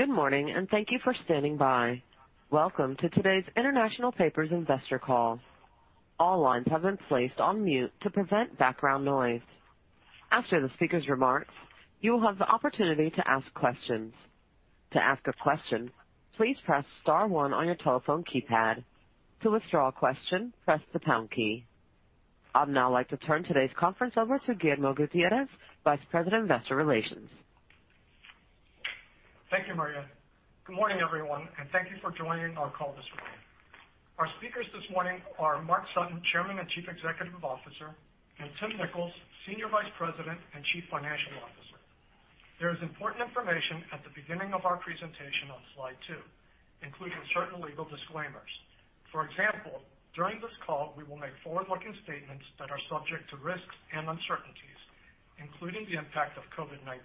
Good morning and thank you for standing by. Welcome to today's International Paper's investor call. All lines have been placed on mute to prevent background noise. After the speaker's remarks, you will have the opportunity to ask questions. To ask a question, please press star one on your telephone keypad. To withdraw a question, press the pound key. I'd now like to turn today's conference over to Guillermo Gutierrez, Vice President of Investor Relations. Thank you, Maria. Good morning, everyone, and thank you for joining our call this morning. Our speakers this morning are Mark Sutton, Chairman and Chief Executive Officer, and Tim Nicholls, Senior Vice President and Chief Financial Officer. There is important information at the beginning of our presentation on slide 2, including certain legal disclaimers. For example, during this call, we will make forward-looking statements that are subject to risks and uncertainties, including the impact of COVID-19.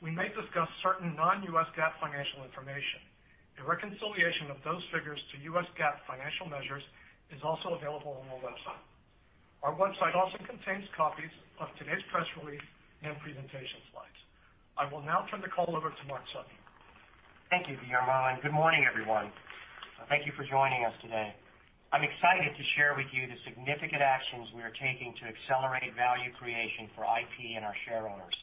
We may discuss certain non-US GAAP financial information. A reconciliation of those figures to US GAAP financial measures is also available on our website. Our website also contains copies of today's press release and presentation slides. I will now turn the call over to Mark Sutton. Thank you, Guillermo, and good morning, everyone. Thank you for joining us today. I'm excited to share with you the significant actions we are taking to accelerate value creation for IP and our shareholders.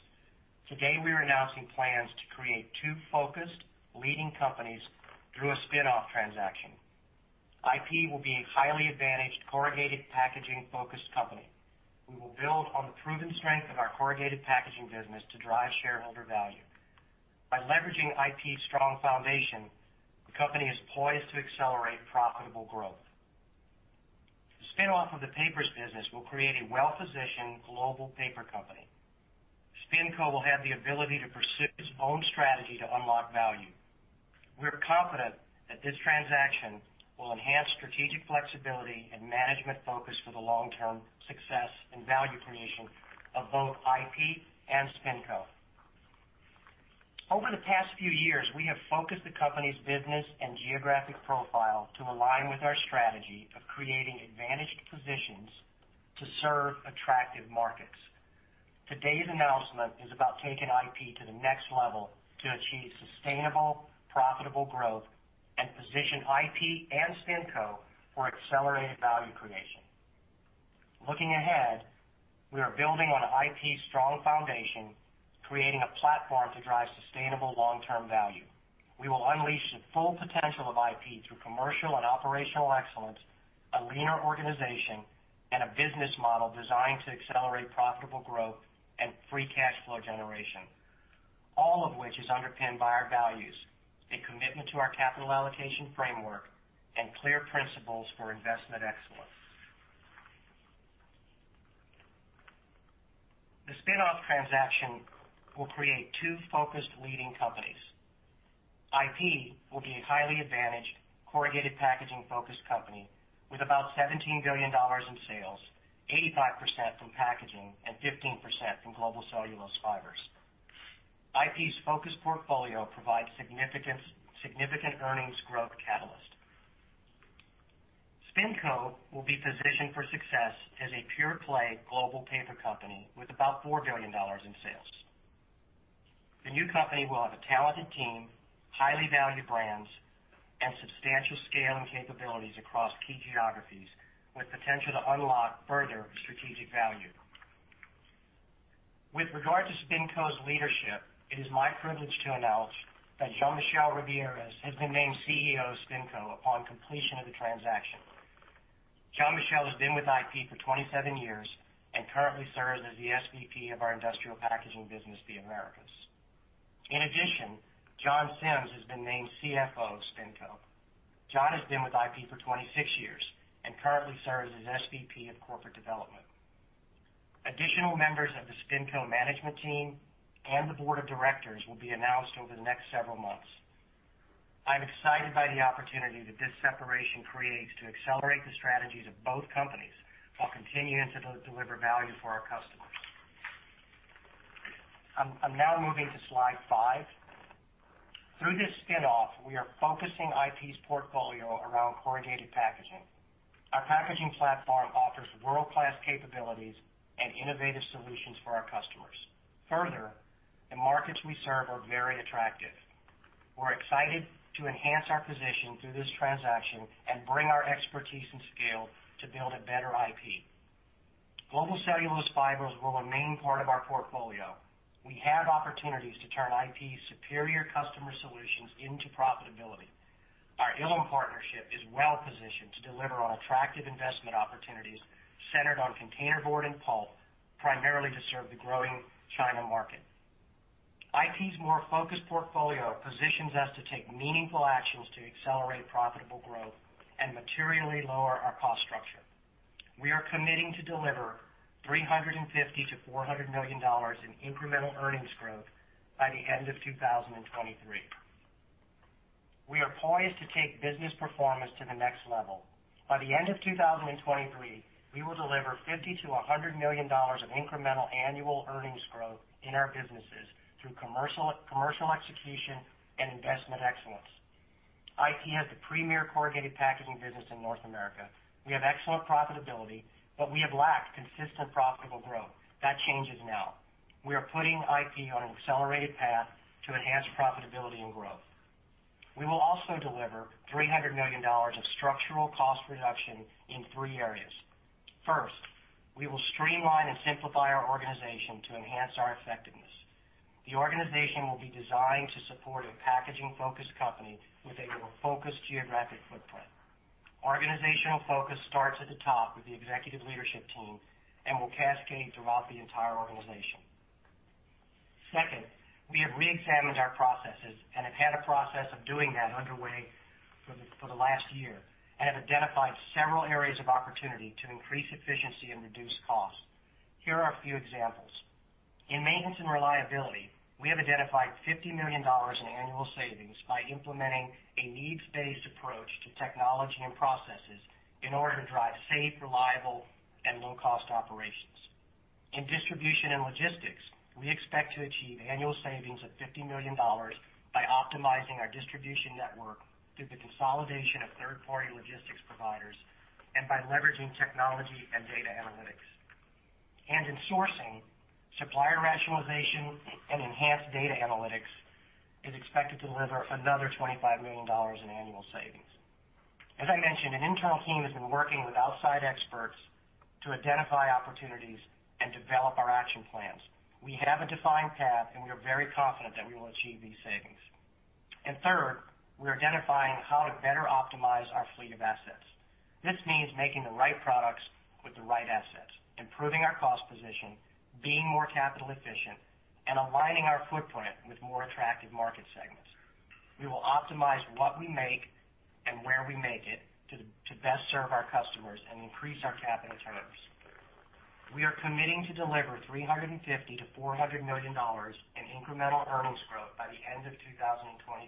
Today, we are announcing plans to create two focused leading companies through a spinoff transaction. IP will be a highly advantaged corrugated packaging-focused company. We will build on the proven strength of our corrugated packaging business to drive shareholder value. By leveraging IP's strong foundation, the company is poised to accelerate profitable growth. The spinoff of the papers business will create a well-positioned global paper company. Spinco will have the ability to pursue its own strategy to unlock value. We're confident that this transaction will enhance strategic flexibility and management focus for the long-term success and value creation of both IP and Spinco. Over the past few years, we have focused the company's business and geographic profile to align with our strategy of creating advantaged positions to serve attractive markets. Today's announcement is about taking IP to the next level to achieve sustainable, profitable growth and position IP and Spinco for accelerated value creation. Looking ahead, we are building on IP's strong foundation, creating a platform to drive sustainable long-term value. We will unleash the full potential of IP through commercial and operational excellence, a leaner organization, and a business model designed to accelerate profitable growth and free cash flow generation, all of which is underpinned by our values, a commitment to our capital allocation framework, and clear principles for investment excellence. The spinoff transaction will create two focused leading companies. IP will be a highly advantaged corrugated packaging-focused company with about $17 billion in sales, 85% from packaging and 15% from Global Cellulose Fibers. IP's focused portfolio provides significant earnings growth catalyst. Spinco will be positioned for success as a pure-play global paper company with about $4 billion in sales. The new company will have a talented team, highly valued brands, and substantial scale and capabilities across key geographies with potential to unlock further strategic value. With regard to Spinco's leadership, it is my privilege to announce that Jean-Michel Ribiéras has been named CEO of Spinco upon completion of the transaction. Jean-Michel has been with IP for 27 years and currently serves as the SVP of our industrial packaging business, The Americas. In addition, John Sims has been named CFO of Spinco. John has been with IP for 26 years and currently serves as SVP of corporate development. Additional members of the Spinco management team and the board of directors will be announced over the next several months. I'm excited by the opportunity that this separation creates to accelerate the strategies of both companies while continuing to deliver value for our customers. I'm now moving to slide 5. Through this spinoff, we are focusing IP's portfolio around corrugated packaging. Our packaging platform offers world-class capabilities and innovative solutions for our customers. Further, the markets we serve are very attractive. We're excited to enhance our position through this transaction and bring our expertise and skill to build a better IP. Global cellulose fibers will remain part of our portfolio. We have opportunities to turn IP's superior customer solutions into profitability. Our Ilim partnership is well-positioned to deliver on attractive investment opportunities centered on containerboard and pulp, primarily to serve the growing China market. IP's more focused portfolio positions us to take meaningful actions to accelerate profitable growth and materially lower our cost structure. We are committing to deliver $350-$400 million in incremental earnings growth by the end of 2023. We are poised to take business performance to the next level. By the end of 2023, we will deliver $50-$100 million of incremental annual earnings growth in our businesses through commercial execution and investment excellence. IP has the premier corrugated packaging business in North America. We have excellent profitability, but we have lacked consistent profitable growth. That changes now. We are putting IP on an accelerated path to enhance profitability and growth. We will also deliver $300 million of structural cost reduction in three areas. First, we will streamline and simplify our organization to enhance our effectiveness. The organization will be designed to support a packaging-focused company with a more focused geographic footprint. Organizational focus starts at the top with the executive leadership team and will cascade throughout the entire organization. Second, we have re-examined our processes and have had a process of doing that underway for the last year and have identified several areas of opportunity to increase efficiency and reduce costs. Here are a few examples. In maintenance and reliability, we have identified $50 million in annual savings by implementing a needs-based approach to technology and processes in order to drive safe, reliable, and low-cost operations. In distribution and logistics, we expect to achieve annual savings of $50 million by optimizing our distribution network through the consolidation of third-party logistics providers and by leveraging technology and data analytics. In sourcing, supplier rationalization and enhanced data analytics is expected to deliver another $25 million in annual savings. As I mentioned, an internal team has been working with outside experts to identify opportunities and develop our action plans. We have a defined path, and we are very confident that we will achieve these savings. Third, we're identifying how to better optimize our fleet of assets. This means making the right products with the right assets, improving our cost position, being more capital efficient, and aligning our footprint with more attractive market segments. We will optimize what we make and where we make it to best serve our customers and increase our capital terms. We are committing to deliver $350-$400 million in incremental earnings growth by the end of 2023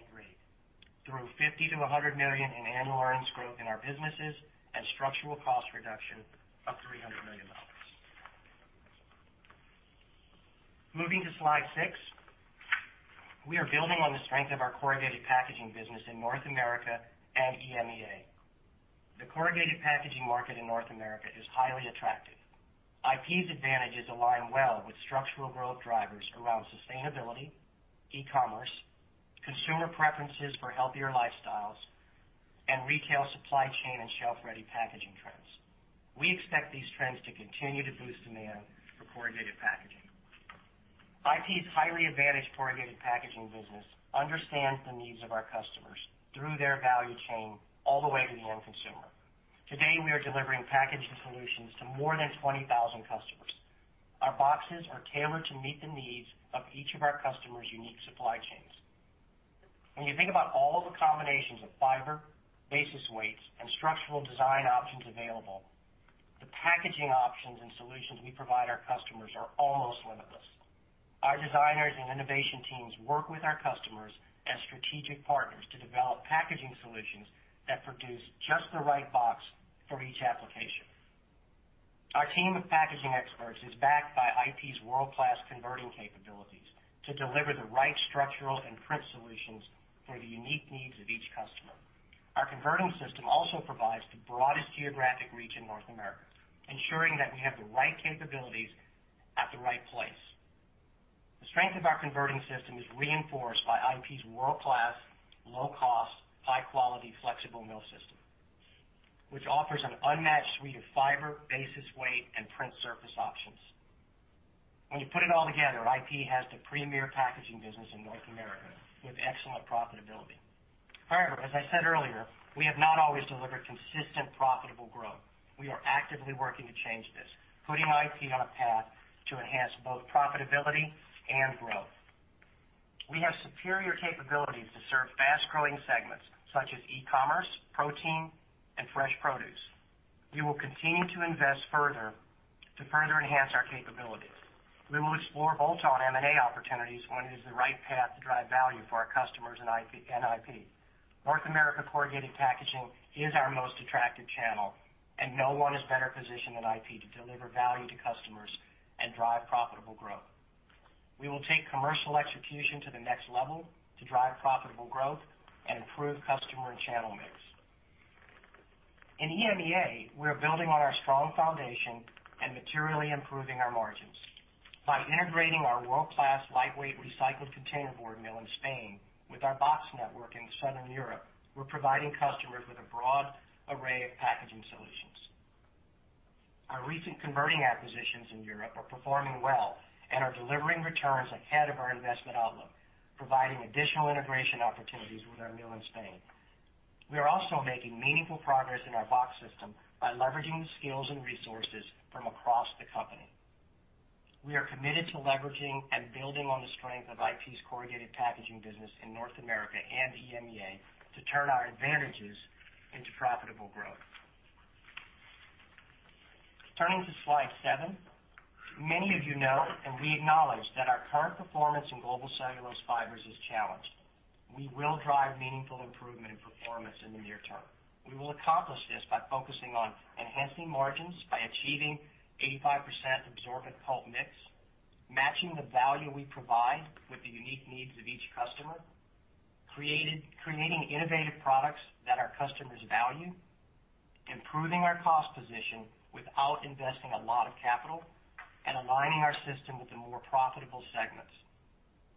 through $50-$100 million in annual earnings growth in our businesses and structural cost reduction of $300 million. Moving to Slide 6, we are building on the strength of our corrugated packaging business in North America and EMEA. The corrugated packaging market in North America is highly attractive. IP's advantages align well with structural growth drivers around sustainability, e-commerce, consumer preferences for healthier lifestyles, and retail supply chain and shelf-ready packaging trends. We expect these trends to continue to boost demand for corrugated packaging. IP's highly advantaged corrugated packaging business understands the needs of our customers through their value chain all the way to the end consumer. Today, we are delivering packaging solutions to more than 20,000 customers. Our boxes are tailored to meet the needs of each of our customers' unique supply chains. When you think about all the combinations of fiber, basis weights, and structural design options available, the packaging options and solutions we provide our customers are almost limitless. Our designers and innovation teams work with our customers as strategic partners to develop packaging solutions that produce just the right box for each application. Our team of packaging experts is backed by IP's world-class converting capabilities to deliver the right structural and print solutions for the unique needs of each customer. Our converting system also provides the broadest geographic reach in North America, ensuring that we have the right capabilities at the right place. The strength of our converting system is reinforced by IP's world-class, low-cost, high-quality, flexible mill system, which offers an unmatched suite of fiber, basis weight, and print surface options. When you put it all together, IP has the premier packaging business in North America with excellent profitability. However, as I said earlier, we have not always delivered consistent profitable growth. We are actively working to change this, putting IP on a path to enhance both profitability and growth. We have superior capabilities to serve fast-growing segments such as e-commerce, protein, and fresh produce. We will continue to invest further to further enhance our capabilities. We will explore bolt-on M&A opportunities when it is the right path to drive value for our customers and IP. North America corrugated packaging is our most attractive channel, and no one is better positioned than IP to deliver value to customers and drive profitable growth. We will take commercial execution to the next level to drive profitable growth and improve customer and channel mix. In EMEA, we are building on our strong foundation and materially improving our margins. By integrating our world-class lightweight recycled containerboard mill in Spain with our box network in Southern Europe, we're providing customers with a broad array of packaging solutions. Our recent converting acquisitions in Europe are performing well and are delivering returns ahead of our investment outlook, providing additional integration opportunities with our mill in Spain. We are also making meaningful progress in our box system by leveraging the skills and resources from across the company. We are committed to leveraging and building on the strength of IP's corrugated packaging business in North America and EMEA to turn our advantages into profitable growth. Turning to slide 7, many of you know and we acknowledge that our current performance in Global Cellulose Fibers is challenged. We will drive meaningful improvement in performance in the near term. We will accomplish this by focusing on enhancing margins by achieving 85% absorbent pulp mix, matching the value we provide with the unique needs of each customer, creating innovative products that our customers value, improving our cost position without investing a lot of capital, and aligning our system with the more profitable segments.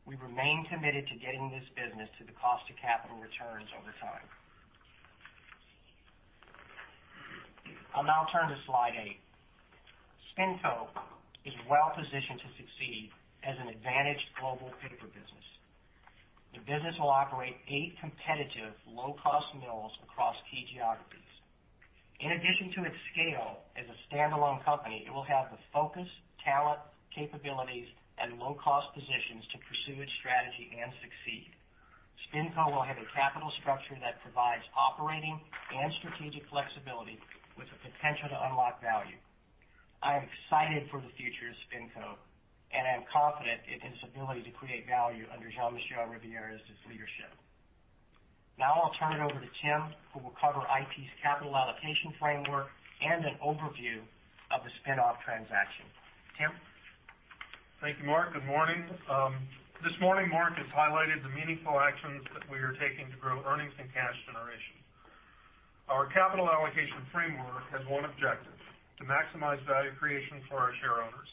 We remain committed to getting this business to the cost of capital returns over time. I'll now turn to Slide 8. Spinco is well-positioned to succeed as an advantaged global paper business. The business will operate eight competitive low-cost mills across key geographies. In addition to its scale as a standalone company, it will have the focus, talent, capabilities, and low-cost positions to pursue its strategy and succeed. Spinco will have a capital structure that provides operating and strategic flexibility with the potential to unlock value. I am excited for the future of Spinco, and I am confident in its ability to create value under Jean-Michel Ribiéras's leadership. Now I'll turn it over to Tim, who will cover IP's capital allocation framework and an overview of the spinoff transaction. Tim. Thank you, Mark. Good morning. This morning, Mark has highlighted the meaningful actions that we are taking to grow earnings and cash generation. Our capital allocation framework has one objective: to maximize value creation for our shareholders.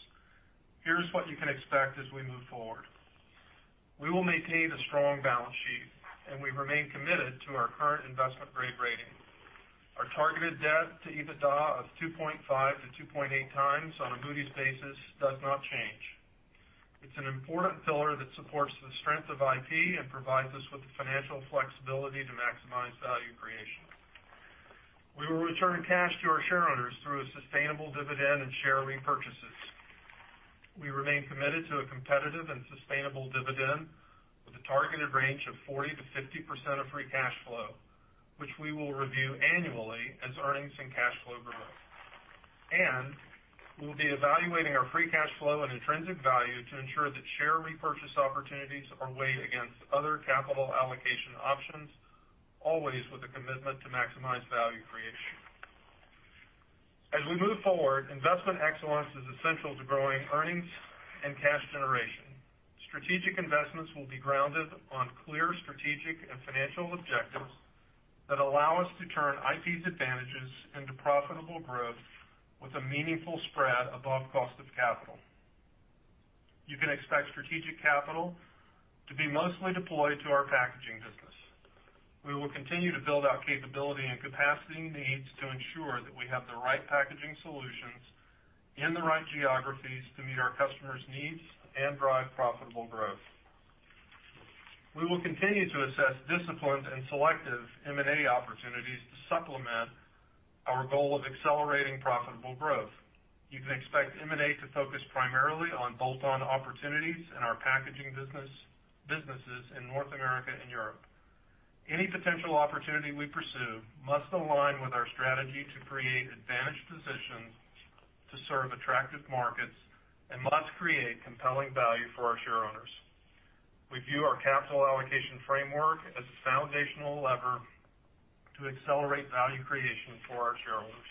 Here's what you can expect as we move forward. We will maintain a strong balance sheet, and we remain committed to our current investment-grade rating. Our targeted debt to EBITDA of 2.5-2.8 times on a Moody's basis does not change. It's an important pillar that supports the strength of IP and provides us with the financial flexibility to maximize value creation. We will return cash to our shareholders through a sustainable dividend and share repurchases. We remain committed to a competitive and sustainable dividend with a targeted range of 40%-50% of free cash flow, which we will review annually as earnings and cash flow growth, and we will be evaluating our free cash flow and intrinsic value to ensure that share repurchase opportunities are weighed against other capital allocation options, always with a commitment to maximize value creation. As we move forward, investment excellence is essential to growing earnings and cash generation. Strategic investments will be grounded on clear strategic and financial objectives that allow us to turn IP's advantages into profitable growth with a meaningful spread above cost of capital. You can expect strategic capital to be mostly deployed to our packaging business. We will continue to build out capability and capacity needs to ensure that we have the right packaging solutions in the right geographies to meet our customers' needs and drive profitable growth. We will continue to assess disciplined and selective M&A opportunities to supplement our goal of accelerating profitable growth. You can expect M&A to focus primarily on bolt-on opportunities in our packaging businesses in North America and Europe. Any potential opportunity we pursue must align with our strategy to create advantaged positions to serve attractive markets and must create compelling value for our shareholders. We view our capital allocation framework as a foundational lever to accelerate value creation for our shareholders.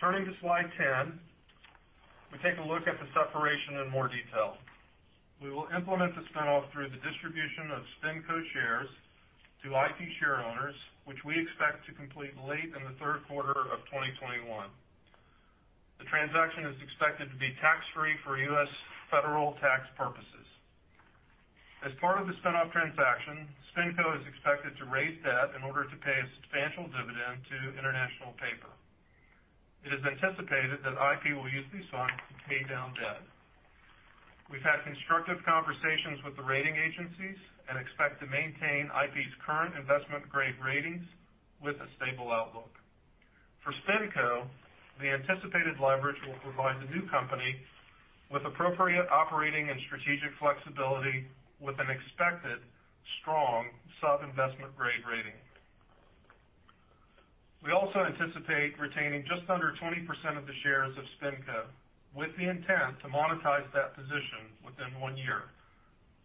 Turning to Slide 10, we take a look at the separation in more detail. We will implement the spinoff through the distribution of Spinco shares to IP shareholders, which we expect to complete late in the third quarter of 2021. The transaction is expected to be tax-free for U.S. federal tax purposes. As part of the spinoff transaction, Spinco is expected to raise debt in order to pay a substantial dividend to International Paper. It is anticipated that IP will use these funds to pay down debt. We've had constructive conversations with the rating agencies and expect to maintain IP's current investment-grade ratings with a stable outlook. For Spinco, the anticipated leverage will provide the new company with appropriate operating and strategic flexibility with an expected strong sub-investment-grade rating. We also anticipate retaining just under 20% of the shares of Spinco with the intent to monetize that position within one year,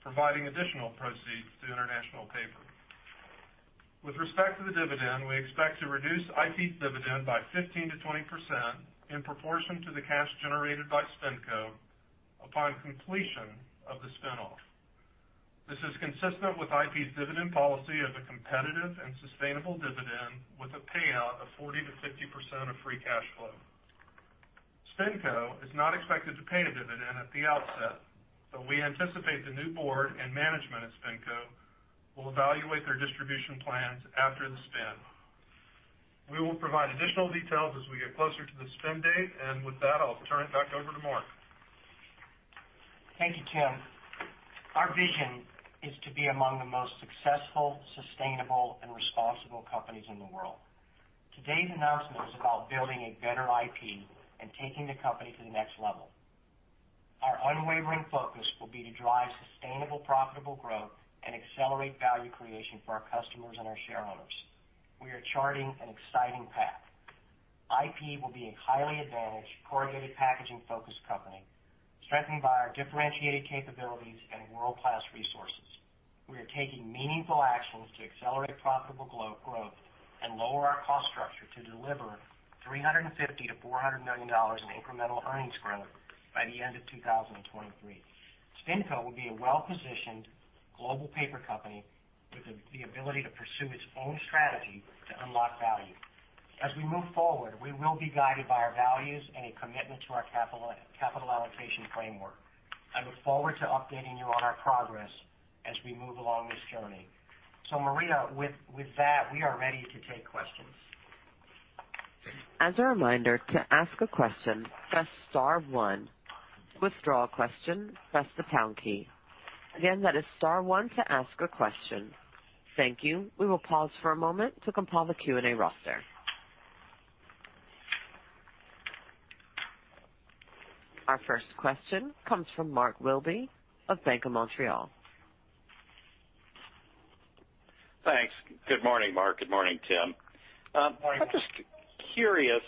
providing additional proceeds to International Paper. With respect to the dividend, we expect to reduce IP's dividend by 15%-20% in proportion to the cash generated by Spinco upon completion of the spinoff. This is consistent with IP's dividend policy of a competitive and sustainable dividend with a payout of 40%-50% of free cash flow. Spinco is not expected to pay a dividend at the outset, but we anticipate the new board and management at Spinco will evaluate their distribution plans after the spin. We will provide additional details as we get closer to the spin date, and with that, I'll turn it back over to Mark. Thank you, Tim. Our vision is to be among the most successful, sustainable, and responsible companies in the world. Today's announcement is about building a better IP and taking the company to the next level. Our unwavering focus will be to drive sustainable, profitable growth and accelerate value creation for our customers and our shareholders. We are charting an exciting path. IP will be a highly advantaged, corrugated packaging-focused company, strengthened by our differentiated capabilities and world-class resources. We are taking meaningful actions to accelerate profitable growth and lower our cost structure to deliver $350-$400 million in incremental earnings growth by the end of 2023. Spinco will be a well-positioned global paper company with the ability to pursue its own strategy to unlock value. As we move forward, we will be guided by our values and a commitment to our capital allocation framework. I look forward to updating you on our progress as we move along this journey. So, Maria, with that, we are ready to take questions. As a reminder, to ask a question, press Star 1. Withdraw a question, press the pound key. Again, that is Star 1 to ask a question. Thank you. We will pause for a moment to compile the Q&A roster. Our first question comes from Mark Wilde of Bank of Montreal. Thanks. Good morning, Mark. Good morning, Tim. I'm just curious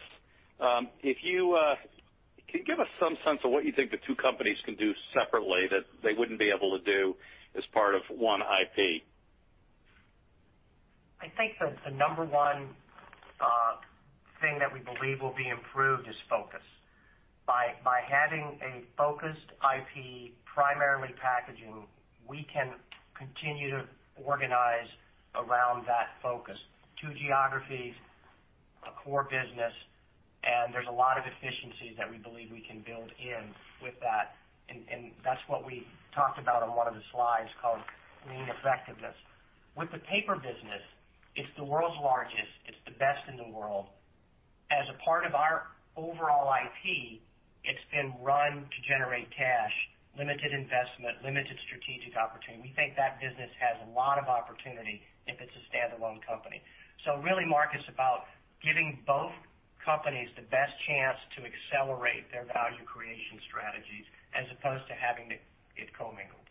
if you can give us some sense of what you think the two companies can do separately that they wouldn't be able to do as part of one IP. I think the number one thing that we believe will be improved is focus. By having a focused IP primarily packaging, we can continue to organize around that focus: two geographies, a core business, and there's a lot of efficiencies that we believe we can build in with that. And that's what we talked about on one of the slides called Lean Effectiveness. With the paper business, it's the world's largest. It's the best in the world. As a part of our overall IP, it's been run to generate cash, limited investment, limited strategic opportunity. We think that business has a lot of opportunity if it's a standalone company. So really, Mark, it's about giving both companies the best chance to accelerate their value creation strategies as opposed to having it co-mingled.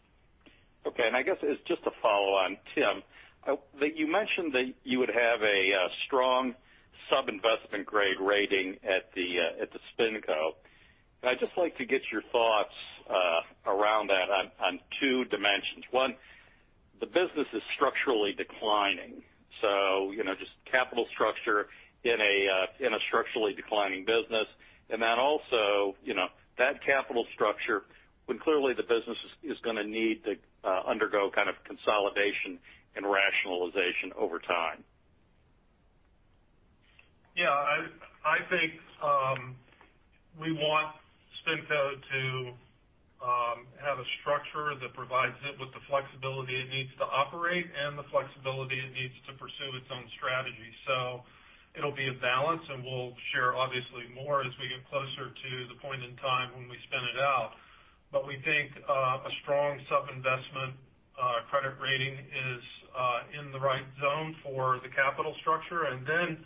Okay. And I guess it's just a follow-on. Tim, you mentioned that you would have a strong sub-investment-grade rating at the Spinco. I'd just like to get your thoughts around that on two dimensions. One, the business is structurally declining. So just capital structure in a structurally declining business. And then also that capital structure, when clearly the business is going to need to undergo kind of consolidation and rationalization over time. Yeah. I think we want Spinco to have a structure that provides it with the flexibility it needs to operate and the flexibility it needs to pursue its own strategy. So it'll be a balance, and we'll share obviously more as we get closer to the point in time when we spin it out. But we think a strong sub-investment-grade credit rating is in the right zone for the capital structure. And then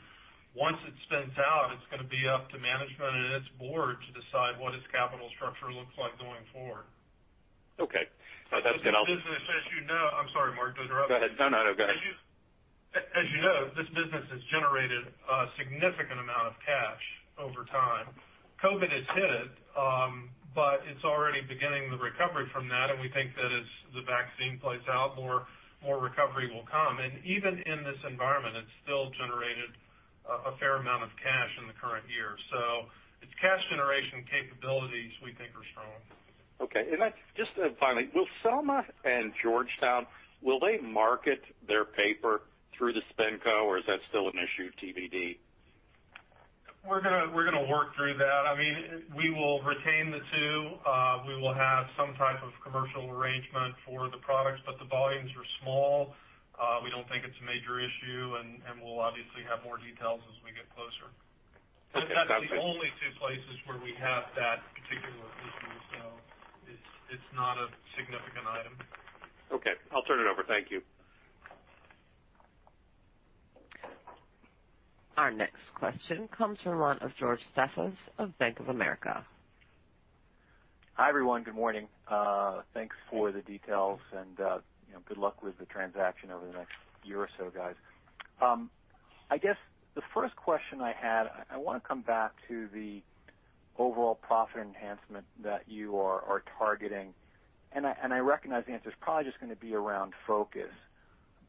once it spins out, it's going to be up to management and its board to decide what its capital structure looks like going forward. Okay. This business, as you know. I'm sorry, Mark, go ahead. No, no, no. Go ahead. As you know, this business has generated a significant amount of cash over time. COVID has hit it, but it's already beginning the recovery from that, and we think that as the vaccine plays out, more recovery will come. And even in this environment, it's still generated a fair amount of cash in the current year. So its cash generation capabilities, we think, are strong. Okay. And just finally, will Selma and Georgetown, will they market their paper through the Spinco or is that still an issue of TBD? We're going to work through that. I mean, we will retain the two. We will have some type of commercial arrangement for the products, but the volumes are small. We don't think it's a major issue, and we'll obviously have more details as we get closer. That's the only two places where we have that particular issue, so it's not a significant item. Okay. I'll turn it over. Thank you. Our next question comes from George Staphos of Bank of America. Hi, everyone. Good morning. Thanks for the details and good luck with the transaction over the next year or so, guys. I guess the first question I had, I want to come back to the overall profit enhancement that you are targeting. And I recognize the answer is probably just going to be around focus.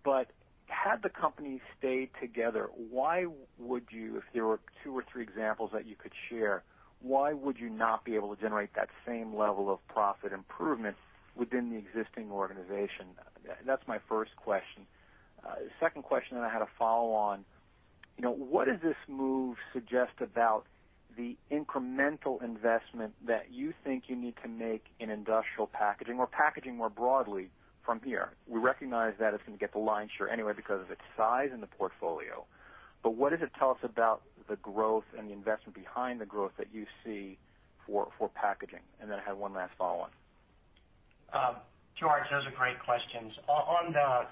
But had the company stayed together, if there were two or three examples that you could share, why would you not be able to generate that same level of profit improvement within the existing organization? That's my first question. The second question that I had a follow-on, what does this move suggest about the incremental investment that you think you need to make in industrial packaging or packaging more broadly from here? We recognize that it's going to get the lion's share anyway because of its size and the portfolio. But what does it tell us about the growth and the investment behind the growth that you see for packaging? And then I have one last follow-on. George, those are great questions. On the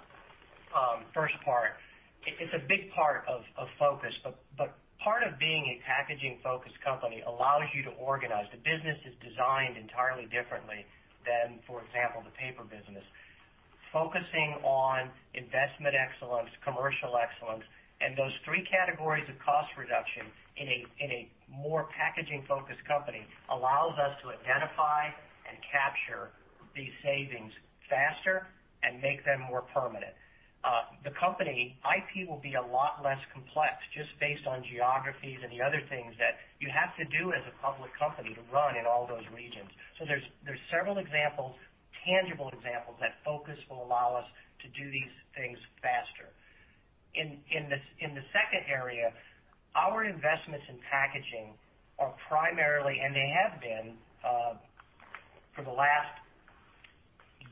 first part, it's a big part of focus, but part of being a packaging-focused company allows you to organize. The business is designed entirely differently than, for example, the paper business. Focusing on investment excellence, commercial excellence, and those three categories of cost reduction in a more packaging-focused company allows us to identify and capture these savings faster and make them more permanent. The company, IP, will be a lot less complex just based on geographies and the other things that you have to do as a public company to run in all those regions. So there's several examples, tangible examples that focus will allow us to do these things faster. In the second area, our investments in packaging are primarily, and they have been for the last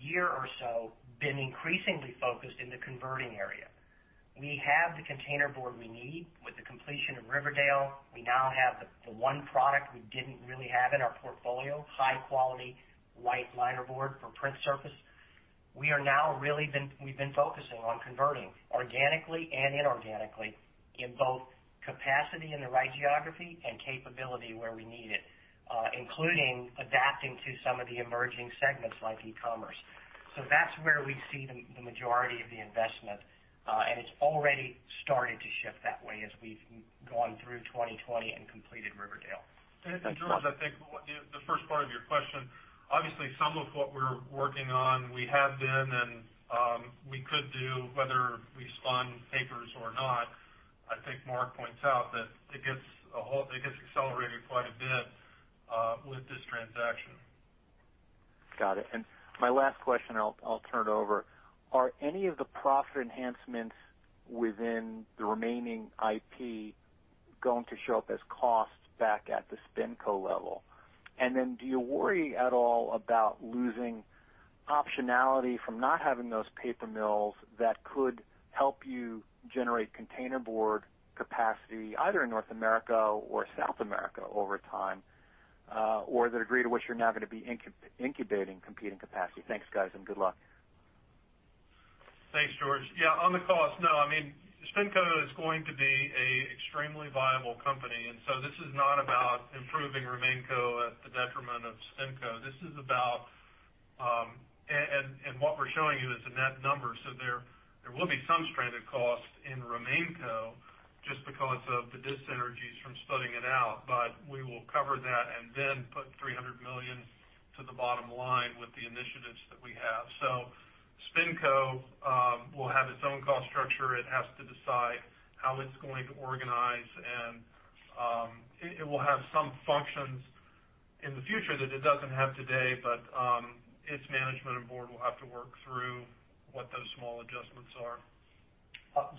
year or so, increasingly focused in the converting area. We have the containerboard we need with the completion of Riverdale. We now have the one product we didn't really have in our portfolio, high-quality white linerboard for print surface. We are now really been focusing on converting organically and inorganically in both capacity in the right geography and capability where we need it, including adapting to some of the emerging segments like e-commerce. So that's where we see the majority of the investment, and it's already started to shift that way as we've gone through 2020 and completed Riverdale. And George, I think the first part of your question, obviously some of what we're working on, we have been and we could do whether we spun papers or not. I think Mark points out that it gets accelerated quite a bit with this transaction. Got it. And my last question, and I'll turn it over. Are any of the profit enhancements within the remaining IP going to show up as cost back at the Spinco level? And then do you worry at all about losing optionality from not having those paper mills that could help you generate containerboard capacity either in North America or South America over time or the degree to which you're now going to be incubating competing capacity? Thanks, guys, and good luck. Thanks, George. Yeah, on the cost, no. I mean, Spinco is going to be an extremely viable company, and so this is not about improving RemainCo at the detriment of Spinco. This is about, and what we're showing you is a net number, so there will be some stranded cost in RemainCo just because of the dis-synergies from splitting it out, but we will cover that and then put $300 million to the bottom line with the initiatives that we have. So Spinco will have its own cost structure. It has to decide how it's going to organize, and it will have some functions in the future that it doesn't have today, but its management and board will have to work through what those small adjustments are.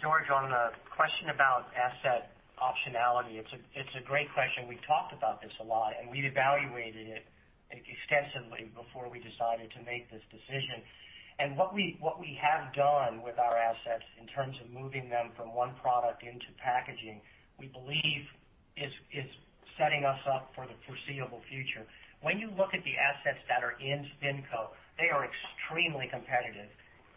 George, on the question about asset optionality, it's a great question. We talked about this a lot, and we've evaluated it extensively before we decided to make this decision. And what we have done with our assets in terms of moving them from one product into packaging, we believe, is setting us up for the foreseeable future. When you look at the assets that are in Spinco, they are extremely competitive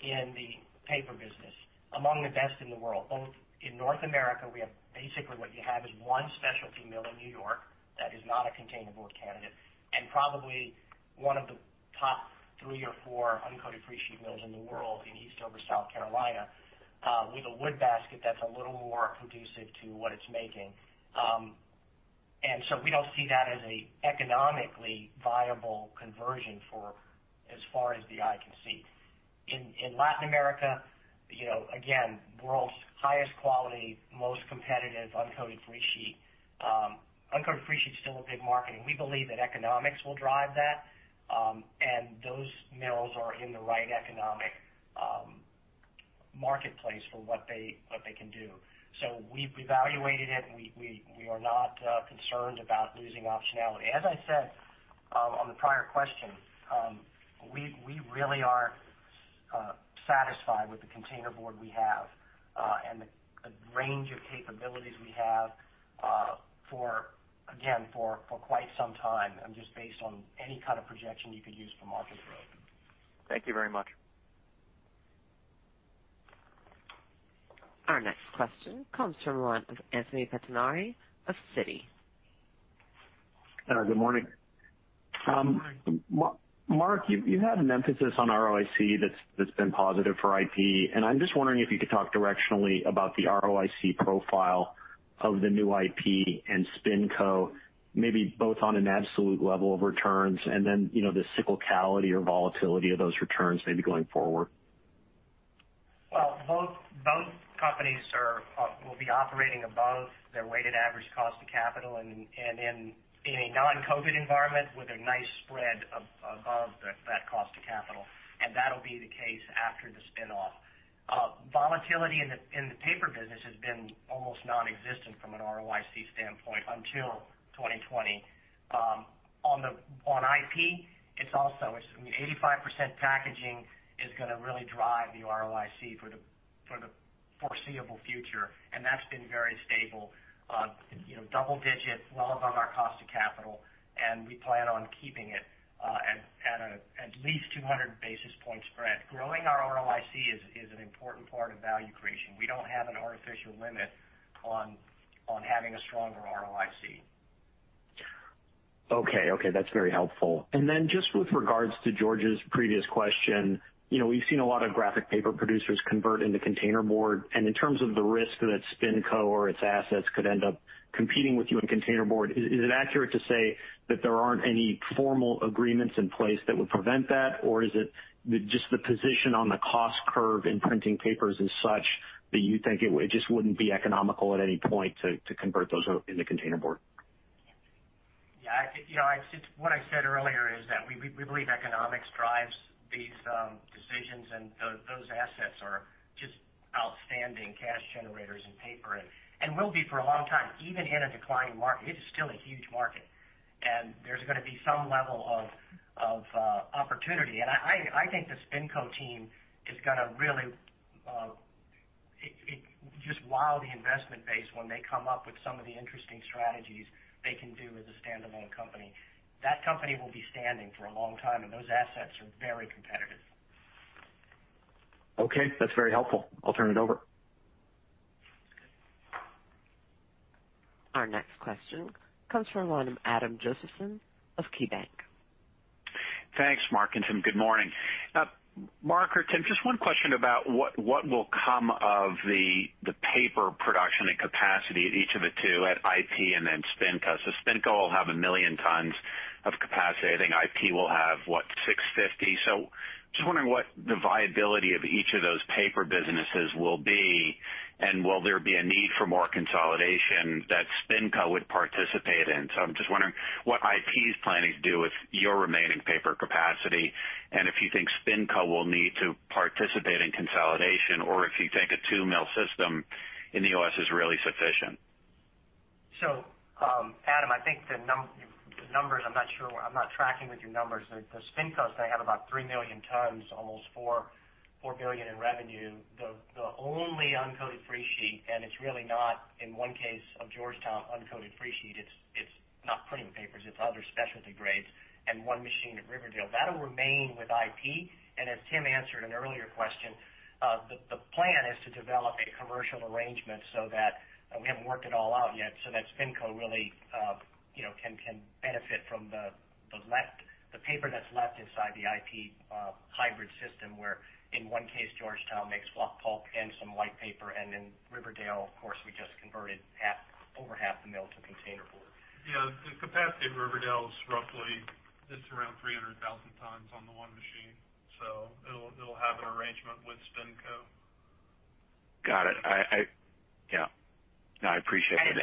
in the paper business, among the best in the world. Both in North America, we have basically what you have is one specialty mill in New York that is not a containerboard candidate, and probably one of the top three or four uncoated free sheet mills in the world in Eastover, South Carolina with a wood basket that's a little more conducive to what it's making, and so we don't see that as an economically viable conversion as far as the eye can see. In Latin America, again, world's highest quality, most competitive uncoated free sheet. Uncoated free sheet's still a big market, and we believe that economics will drive that, and those mills are in the right economic marketplace for what they can do. So we've evaluated it, and we are not concerned about losing optionality. As I said on the prior question, we really are satisfied with the containerboard we have and the range of capabilities we have for, again, for quite some time, and just based on any kind of projection you could use for market growth. Thank you very much. Our next question comes from Anthony Pettinari of Citi. Good morning. Mark, you've had an emphasis on ROIC that's been positive for IP, and I'm just wondering if you could talk directionally about the ROIC profile of the new IP and Spinco, maybe both on an absolute level of returns and then the cyclicality or volatility of those returns maybe going forward. Both companies will be operating above their weighted average cost of capital, and in a non-COVID environment with a nice spread above that cost of capital. And that'll be the case after the spin-off. Volatility in the paper business has been almost nonexistent from an ROIC standpoint until 2020. On IP, it's also 85% packaging is going to really drive the ROIC for the foreseeable future, and that's been very stable. Double-digit, well above our cost of capital, and we plan on keeping it at least 200 basis points spread. Growing our ROIC is an important part of value creation. We don't have an artificial limit on having a stronger ROIC. Okay. Okay. That's very helpful. And then just with regards to George's previous question, we've seen a lot of graphic paper producers convert into containerboard. And in terms of the risk that Spinco or its assets could end up competing with you in containerboard, is it accurate to say that there aren't any formal agreements in place that would prevent that, or is it just the position on the cost curve in printing papers as such that you think it just wouldn't be economical at any point to convert those into containerboard? Yeah. What I said earlier is that we believe economics drives these decisions, and those assets are just outstanding cash generators in paper and will be for a long time. Even in a declining market, it is still a huge market, and there's going to be some level of opportunity. And I think the Spinco team is going to really just wow the investment base when they come up with some of the interesting strategies they can do as a standalone company. That company will be standing for a long time, and those assets are very competitive. Okay. That's very helpful. I'll turn it over. Our next question comes from Adam Josephson of KeyBank. Thanks, Mark and Tim. Good morning. Mark or Tim, just one question about what will come of the paper production and capacity at each of the two at IP and then Spinco. So Spinco will have a million tons of capacity. I think IP will have, what, 650. So just wondering what the viability of each of those paper businesses will be, and will there be a need for more consolidation that Spinco would participate in? So I'm just wondering what IP's planning to do with your remaining paper capacity and if you think Spinco will need to participate in consolidation or if you think a two-mill system in the U.S. is really sufficient. So Adam, I think the numbers, I'm not sure. I'm not tracking with your numbers. The Spinco's going to have about 3 million tons, almost $4 billion in revenue. The only uncoated free sheet, and it's really not, in one case of Georgetown, uncoated free sheet. It's not printing papers. It's other specialty grades and one machine at Riverdale. That'll remain with IP. As Tim answered an earlier question, the plan is to develop a commercial arrangement so that we haven't worked it all out yet, so that Spinco really can benefit from the paper that's left inside the IP hybrid system where, in one case, Georgetown makes fluff pulp and some white paper, and in Riverdale, of course, we just converted over half the mill to containerboard. Yeah. The capacity at Riverdale's roughly just around 300,000 tons on the one machine, so it'll have an arrangement with Spinco. Got it. Yeah. No, I appreciate it.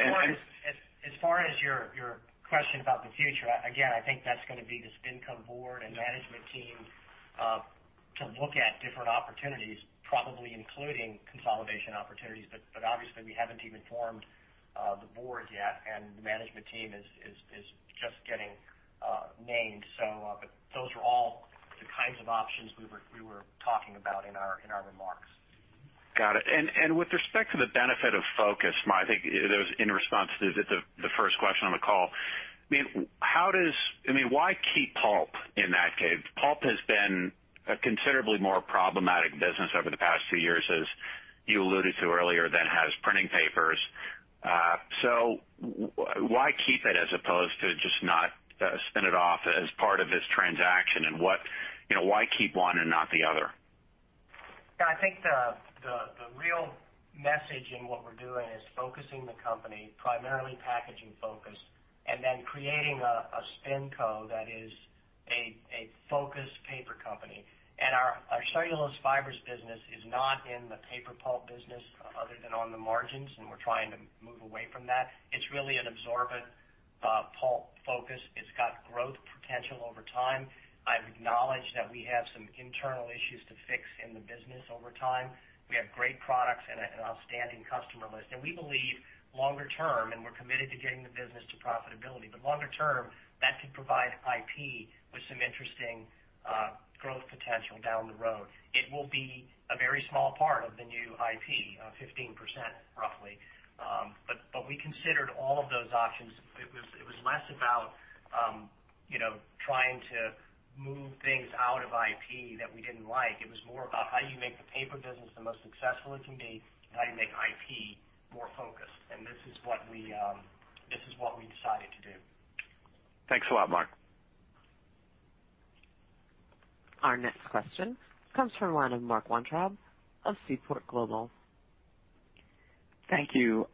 As far as your question about the future, again, I think that's going to be the Spinco board and management team to look at different opportunities, probably including consolidation opportunities, but obviously we haven't even formed the board yet, and the management team is just getting named. But those are all the kinds of options we were talking about in our remarks. Got it. And with respect to the benefit of focus, Mark, I think it was in response to the first question on the call. I mean, why keep pulp in that case? Pulp has been a considerably more problematic business over the past few years, as you alluded to earlier, than has printing papers. So why keep it as opposed to just not spin it off as part of this transaction? And why keep one and not the other? Yeah. I think the real message in what we're doing is focusing the company primarily packaging-focused and then creating a Spinco that is a focused paper company. And our cellulose fibers business is not in the paper pulp business other than on the margins, and we're trying to move away from that. It's really an absorbent pulp focus. It's got growth potential over time. I've acknowledged that we have some internal issues to fix in the business over time. We have great products and an outstanding customer list, and we believe longer term, and we're committed to getting the business to profitability, but longer term, that could provide IP with some interesting growth potential down the road. It will be a very small part of the new IP, 15% roughly, but we considered all of those options. It was less about trying to move things out of IP that we didn't like. It was more about how you make the paper business the most successful it can be and how you make IP more focused, and this is what we decided to do. Thanks a lot, Mark. Our next question comes from Mark Weintraub of Seaport Global. Thank you.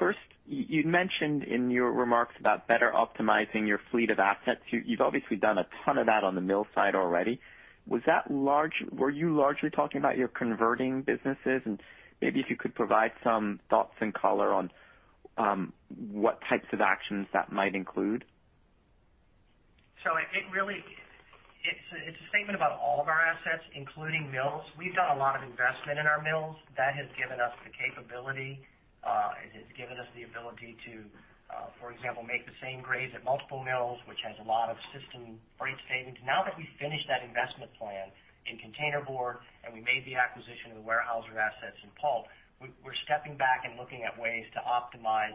First, you'd mentioned in your remarks about better optimizing your fleet of assets. You've obviously done a ton of that on the mill side already. Were you largely talking about your converting businesses? And maybe if you could provide some thoughts and color on what types of actions that might include. It's a statement about all of our assets, including mills. We've done a lot of investment in our mills. That has given us the capability. It has given us the ability to, for example, make the same grades at multiple mills, which has a lot of system-wide savings. Now that we've finished that investment plan in containerboard and we made the acquisition of the Weyerhaeuser assets in pulp, we're stepping back and looking at ways to optimize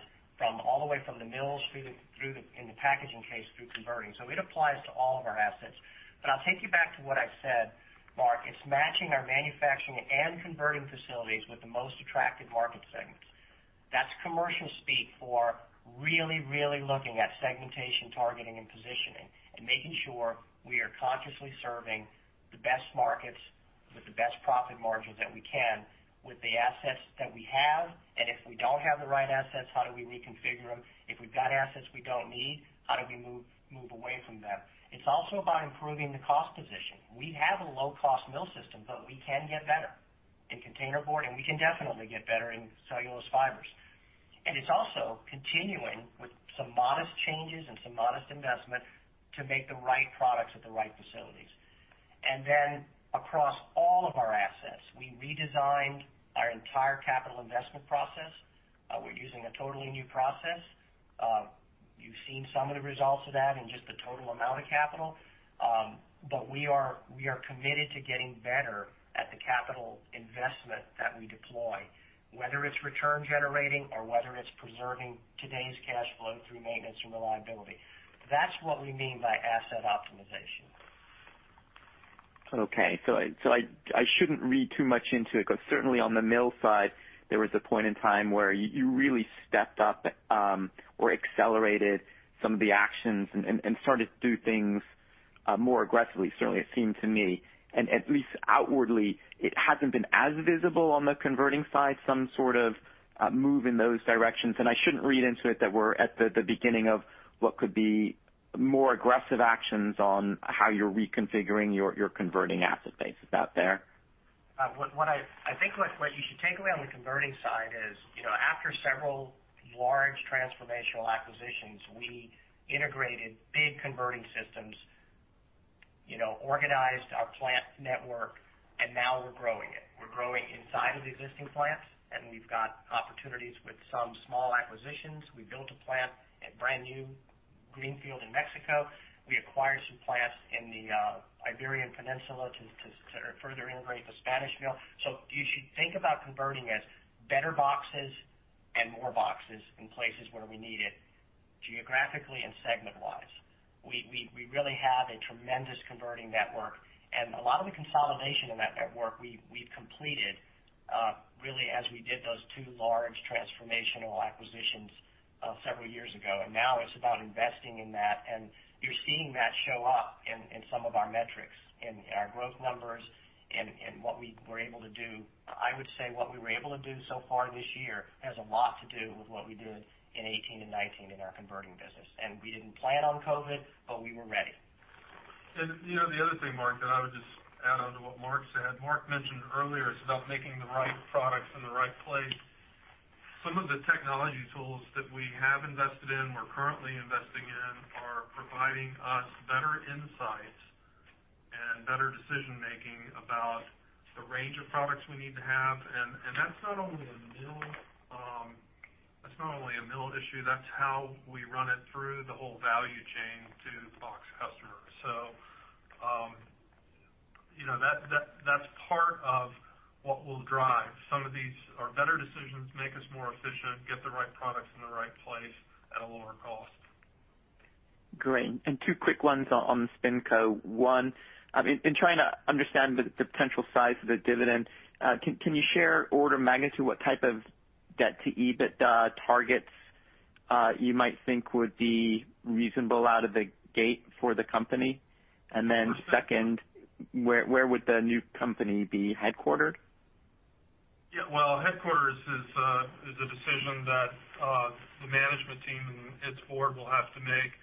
all the way from the mills in the packaging chain through converting. So it applies to all of our assets. But I'll take you back to what I said, Mark. It's matching our manufacturing and converting facilities with the most attractive market segments. That's commercial speak for really, really looking at segmentation, targeting, and positioning, and making sure we are consciously serving the best markets with the best profit margins that we can with the assets that we have. And if we don't have the right assets, how do we reconfigure them? If we've got assets we don't need, how do we move away from them? It's also about improving the cost position. We have a low-cost mill system, but we can get better in containerboard, and we can definitely get better in cellulose fibers. And it's also continuing with some modest changes and some modest investment to make the right products at the right facilities. And then across all of our assets, we redesigned our entire capital investment process. We're using a totally new process. You've seen some of the results of that in just the total amount of capital. But we are committed to getting better at the capital investment that we deploy, whether it's return-generating or whether it's preserving today's cash flow through maintenance and reliability. That's what we mean by asset optimization. Okay. So I shouldn't read too much into it, but certainly on the mill side, there was a point in time where you really stepped up or accelerated some of the actions and started to do things more aggressively, certainly it seemed to me. And at least outwardly, it hasn't been as visible on the converting side, some sort of move in those directions. And I shouldn't read into it that we're at the beginning of what could be more aggressive actions on how you're reconfiguring your converting asset base. Is that fair? I think what you should take away on the converting side is after several large transformational acquisitions, we integrated big converting systems, organized our plant network, and now we're growing it. We're growing inside of existing plants, and we've got opportunities with some small acquisitions. We built a brand-new greenfield plant in Mexico. We acquired some plants in the Iberian Peninsula to further integrate the Spanish mill. So you should think about converting as better boxes and more boxes in places where we need it geographically and segment-wise. We really have a tremendous converting network, and a lot of the consolidation in that network, we've completed really as we did those two large transformational acquisitions several years ago. Now it's about investing in that, and you're seeing that show up in some of our metrics, in our growth numbers, in what we were able to do. I would say what we were able to do so far this year has a lot to do with what we did in 2018 and 2019 in our converting business. And we didn't plan on COVID, but we were ready. And the other thing, Mark, that I would just add on to what Mark said. Mark mentioned earlier it's about making the right products in the right place. Some of the technology tools that we have invested in, we're currently investing in, are providing us better insights and better decision-making about the range of products we need to have. And that's not only a mill issue. That's how we run it through the whole value chain to the box customer. So that's part of what will drive some of these better decisions, make us more efficient, get the right products in the right place at a lower cost. Great. And two quick ones on Spinco. One, in trying to understand the potential size of the dividend, can you share order magnitude what type of debt-to-EBITDA targets you might think would be reasonable out of the gate for the company? And then second, where would the new company be headquartered? Yeah. Well, headquarters is a decision that the management team and its board will have to make.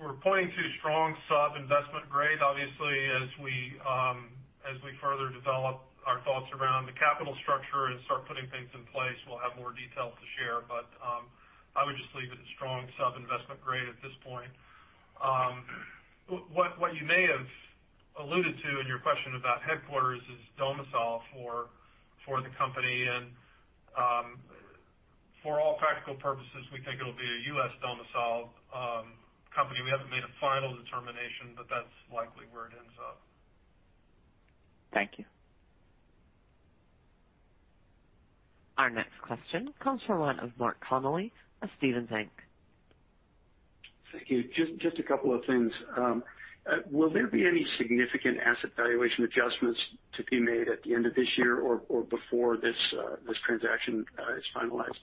We're pointing to strong sub-investment-grade, obviously, as we further develop our thoughts around the capital structure and start putting things in place. We'll have more details to share, but I would just leave it at strong sub-investment grade at this point. What you may have alluded to in your question about headquarters is domicile for the company, and for all practical purposes, we think it'll be a U.S. domiciled company. We haven't made a final determination, but that's likely where it ends up. Thank you. Our next question comes from Mark Connelly of Stephens Inc. Thank you. Just a couple of things. Will there be any significant asset valuation adjustments to be made at the end of this year or before this transaction is finalized?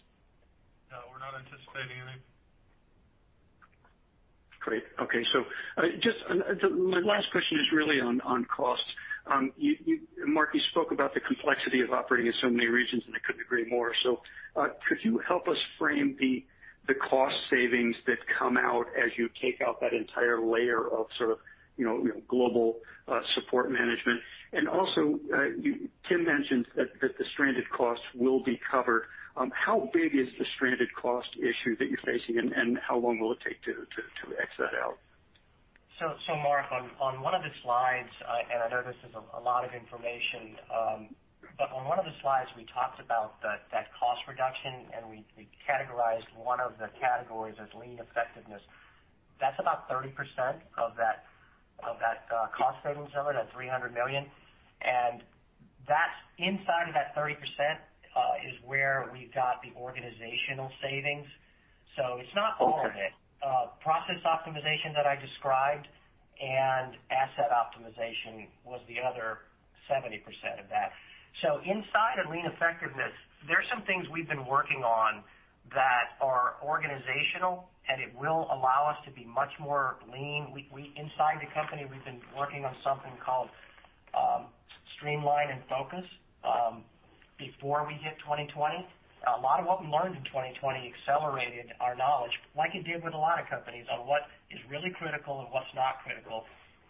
No, we're not anticipating any. Great. Okay, so just my last question is really on cost. Mark, you spoke about the complexity of operating in so many regions, and I couldn't agree more. Could you help us frame the cost savings that come out as you take out that entire layer of sort of global support management? And also, Tim mentioned that the stranded costs will be covered. How big is the stranded cost issue that you're facing, and how long will it take to axe that out? So, on one of the slides, and I know this is a lot of information, but on one of the slides, we talked about that cost reduction, and we categorized one of the categories as lean effectiveness. That's about 30% of that cost savings number, that $300 million. And inside of that 30% is where we've got the organizational savings. So it's not all of it. Process optimization that I described and asset optimization was the other 70% of that. So inside of lean effectiveness, there are some things we've been working on that are organizational, and it will allow us to be much more lean. Inside the company, we've been working on something called Streamline and Focus before we hit 2020. A lot of what we learned in 2020 accelerated our knowledge, like you did with a lot of companies, on what is really critical and what's not critical.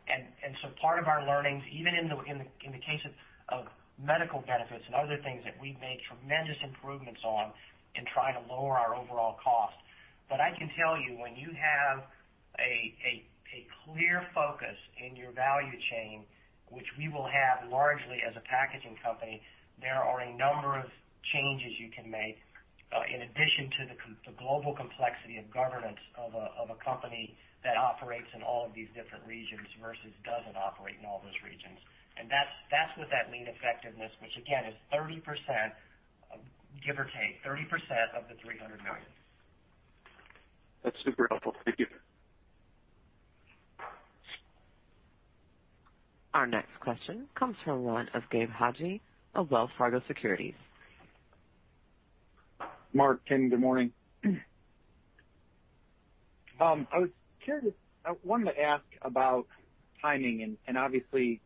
And so part of our learnings, even in the case of medical benefits and other things that we've made tremendous improvements on in trying to lower our overall cost. But I can tell you, when you have a clear focus in your value chain, which we will have largely as a packaging company, there are a number of changes you can make in addition to the global complexity of governance of a company that operates in all of these different regions versus doesn't operate in all those regions. And that's what that lean effectiveness, which again is 30%, give or take, 30% of the $300 million. That's super helpful. Thank you. Our next question comes from Gabe Hajde of Wells Fargo Securities. Mark, Tim, good morning. I was wanting to ask about timing. And obviously,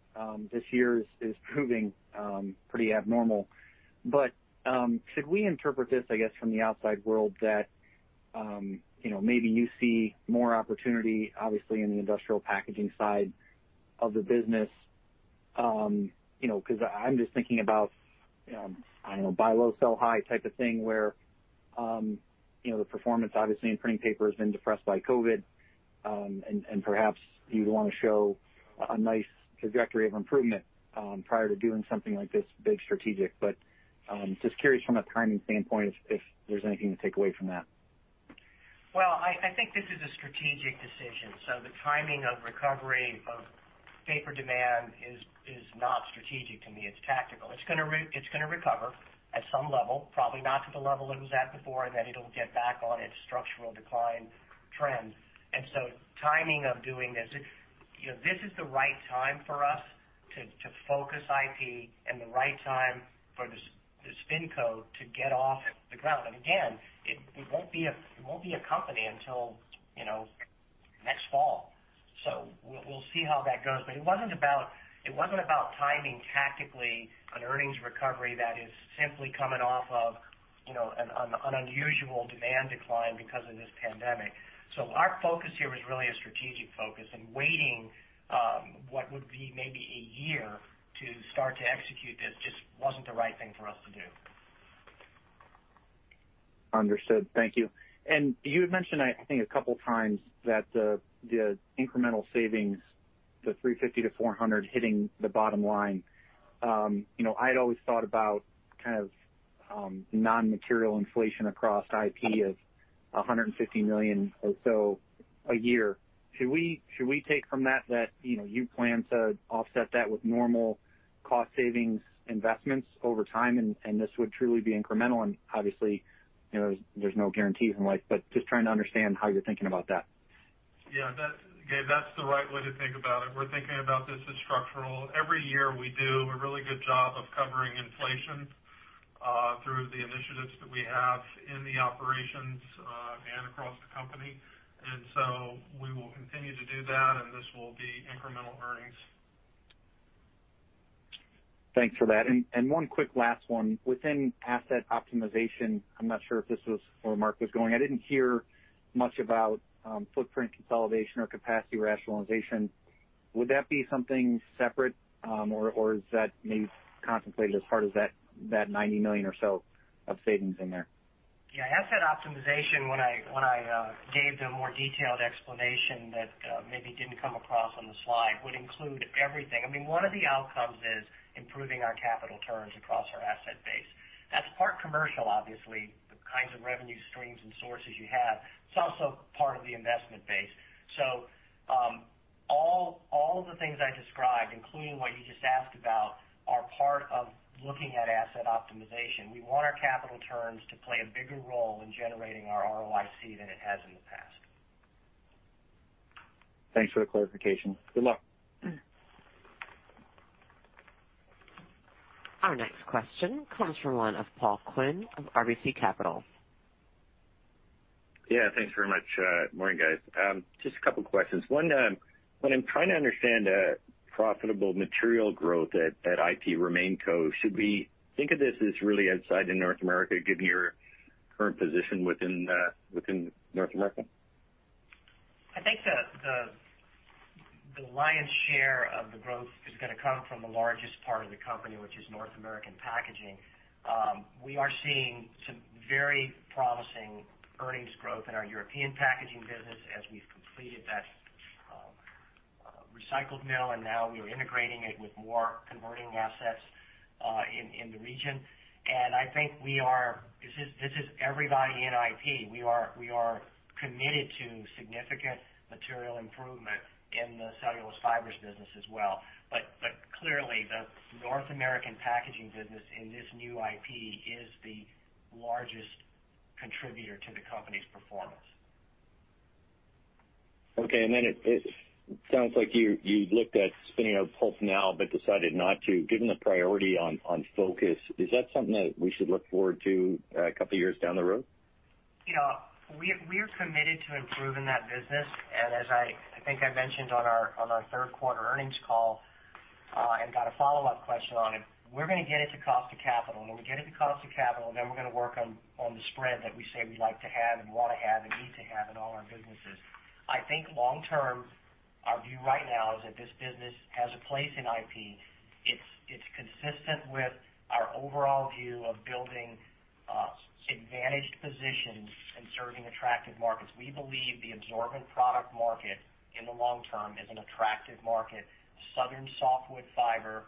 this year is proving pretty abnormal. But should we interpret this, I guess, from the outside world, that maybe you see more opportunity, obviously, in the industrial packaging side of the business? Because I'm just thinking about, I don't know, buy low, sell high type of thing where the performance, obviously, in printing paper has been depressed by COVID. And perhaps you'd want to show a nice trajectory of improvement prior to doing something like this big strategic. But just curious from a timing standpoint if there's anything to take away from that. Well, I think this is a strategic decision. So the timing of recovery of paper demand is not strategic to me. It's tactical. It's going to recover at some level, probably not to the level it was at before, and then it'll get back on its structural decline trend. And so timing of doing this, this is the right time for us to focus IP and the right time for the Spinco to get off the ground. And again, we won't be a company until next fall. So we'll see how that goes. But it wasn't about timing tactically an earnings recovery that is simply coming off of an unusual demand decline because of this pandemic. Our focus here was really a strategic focus. Waiting what would be maybe a year to start to execute this just wasn't the right thing for us to do. Understood. Thank you. You had mentioned, I think, a couple of times that the incremental savings, the $350 million-$400 million hitting the bottom line. I had always thought about kind of non-material inflation across IP of $150 million or so a year. Should we take from that that you plan to offset that with normal cost savings investments over time? This would truly be incremental. Obviously, there's no guarantees in life. Just trying to understand how you're thinking about that. Yeah, that's the right way to think about it. We're thinking about this as structural. Every year, we do a really good job of covering inflation through the initiatives that we have in the operations and across the company. And so we will continue to do that, and this will be incremental earnings. Thanks for that. And one quick last one. Within asset optimization, I'm not sure if this was where Mark was going. I didn't hear much about footprint consolidation or capacity rationalization. Would that be something separate, or is that maybe contemplated as part of that $90 million or so of savings in there? Yeah. Asset optimization, when I gave the more detailed explanation that maybe didn't come across on the slide, would include everything. I mean, one of the outcomes is improving our capital turns across our asset base. That's part commercial, obviously, the kinds of revenue streams and sources you have. It's also part of the investment base. So all of the things I described, including what you just asked about, are part of looking at asset optimization. We want our capital turns to play a bigger role in generating our ROIC than it has in the past. Thanks for the clarification. Good luck. Our next question comes from Paul Quinn of RBC Capital Markets. Yeah. Thanks very much. Morning, guys. Just a couple of questions. One, when I'm trying to understand profitable material growth at IP RemainCo, should we think of this as really outside in North America, given your current position within North America? I think the lion's share of the growth is going to come from the largest part of the company, which is North American Packaging. We are seeing some very promising earnings growth in our European packaging business as we've completed that recycled mill, and now we are integrating it with more converting assets in the region. And I think this is everybody in IP. We are committed to significant material improvement in the cellulose fibers business as well. But clearly, the North American packaging business in this new IP is the largest contributor to the company's performance. Okay. And then it sounds like you looked at spinning off pulp now but decided not to, given the priority on focus. Is that something that we should look forward to a couple of years down the road? We are committed to improving that business. And as I think I mentioned on our third quarter earnings call and got a follow-up question on it, we're going to get it to cost of capital. And when we get it to cost of capital, then we're going to work on the spread that we say we'd like to have and want to have and need to have in all our businesses. I think long-term, our view right now is that this business has a place in IP. It's consistent with our overall view of building advantaged positions and serving attractive markets. We believe the absorbent product market in the long term is an attractive market. Southern softwood fiber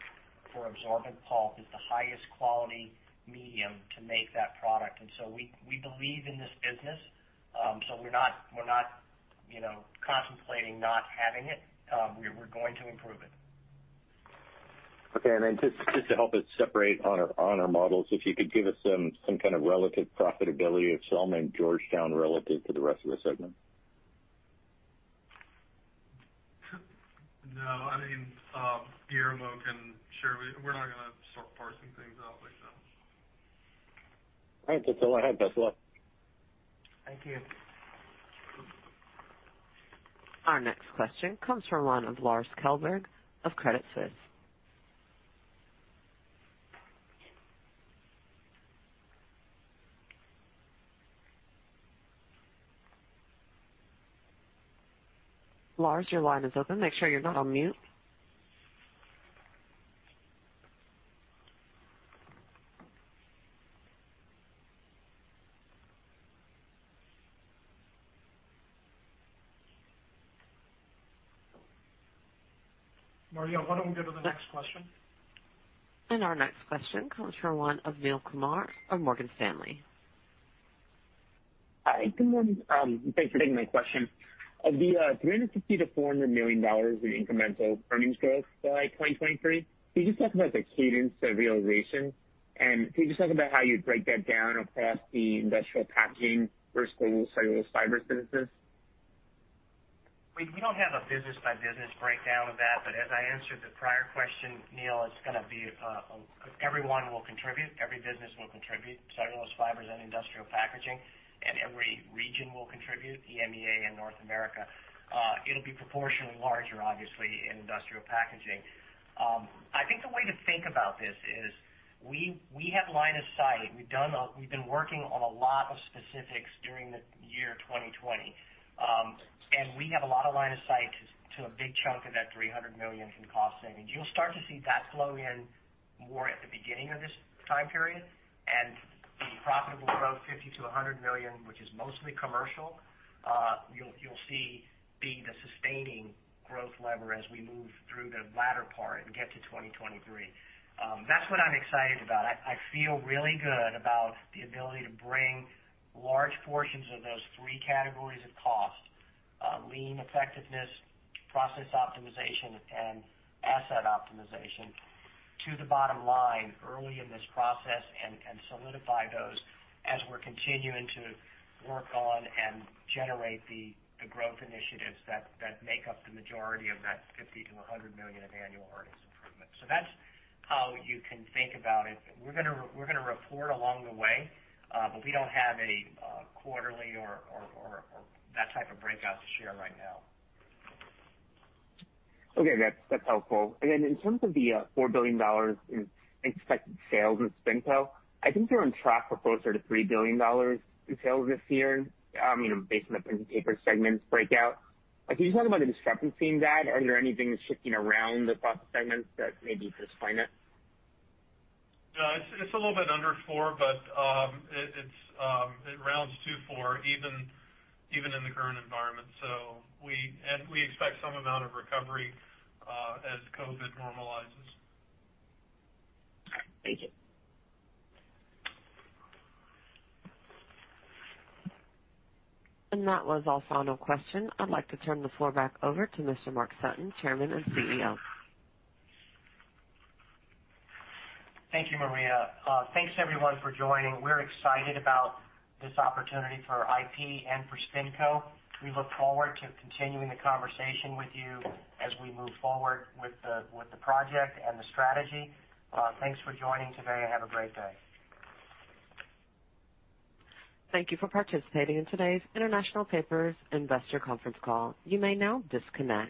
for absorbent pulp is the highest quality medium to make that product. And so we believe in this business. So we're not contemplating not having it. We're going to improve it. Okay. And then just to help us separate on our models, if you could give us some kind of relative profitability of Selma, Georgetown relative to the rest of the segment. No. I mean, Guillermo, can you assure we're not going to start parsing things out like that. All right. That's all I have. Thanks a lot. Thank you. Our next question comes from Lars Kjellberg of Credit Suisse. Lars, your line is open. Make sure you're not on mute. Maria, why don't we go to the next question? And our next question comes from Neel Kumar of Morgan Stanley. Hi. Good morning. Thanks for taking my question. Of the $350 million-$400 million in incremental earnings growth by 2023, can you just talk about the cadence of realization? And can you just talk about how you'd break that down across the Industrial Packaging versus Global Cellulose Fibers business? We don't have a business-by-business breakdown of that. But as I answered the prior question, Neel, it's going to be everyone will contribute. Every business will contribute. Cellulose fibers and industrial packaging, and every region will contribute, EMEA and North America. It'll be proportionally larger, obviously, in industrial packaging. I think the way to think about this is we have line of sight. We've been working on a lot of specifics during the year 2020, and we have a lot of line of sight to a big chunk of that $300 million in cost savings. You'll start to see that flow in more at the beginning of this time period, and the profitable growth, $50 million to $100 million, which is mostly commercial, you'll see be the sustaining growth lever as we move through the latter part and get to 2023. That's what I'm excited about. I feel really good about the ability to bring large portions of those three categories of cost, lean effectiveness, process optimization, and asset optimization to the bottom line early in this process and solidify those as we're continuing to work on and generate the growth initiatives that make up the majority of that $50 million-$100 million of annual earnings improvement. So that's how you can think about it. We're going to report along the way, but we don't have a quarterly or that type of breakout to share right now. Okay. That's helpful. And then in terms of the $4 billion in expected sales with Spinco, I think they're on track for closer to $3 billion in sales this year based on the printing paper segments breakout. Can you talk about the discrepancy in that? Is there anything that's shifting around across the segments that maybe could explain it? It's a little bit under four, but it rounds to four even in the current environment. And we expect some amount of recovery as COVID normalizes. Thank you. And that was all for final questions. I'd like to turn the floor back over to Mr. Mark Sutton, Chairman and CEO. Thank you, Maria. Thanks, everyone, for joining. We're excited about this opportunity for IP and for Spinco. We look forward to continuing the conversation with you as we move forward with the project and the strategy. Thanks for joining today. Have a great day. Thank you for participating in today's International Paper's Investor Conference Call. You may now disconnect.